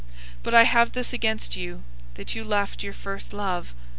002:004 But I have this against you, that you left your first love.